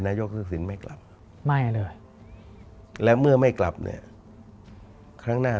รายนโยคศึกษินไม่กลับไม่พี่บ้านบ่อยและเมื่อไม่กลับเนี่ยครั้งหน้า